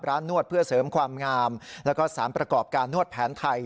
นวดเพื่อเสริมความงามแล้วก็สารประกอบการนวดแผนไทย